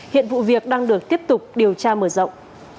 hiện vụ việc đang được tiếp tục điều tra mở rộng